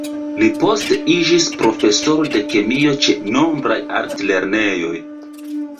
Li poste iĝis profesoro de kemio ĉe nombraj altlernejoj.